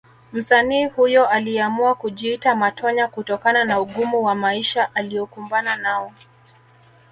Msanii huyo aliamua kujiita Matonya kutokana na ugumu wa maisha aliokumbana nao